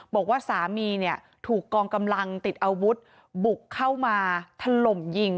บอกว่าสามีเนี่ยถูกกองกำลังติดอาวุธบุกเข้ามาถล่มยิง